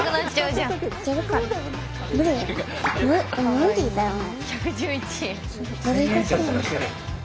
無理だよね？